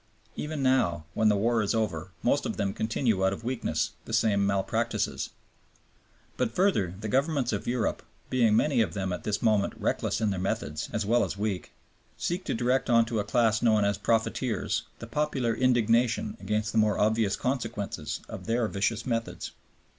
Even now, when the war is over, most of them continue out of weakness the same malpractices. But further, the Governments of Europe, being many of them at this moment reckless in their methods as well as weak, seek to direct on to a class known as "profiteers" the popular indignation against the more obvious consequences of their vicious methods.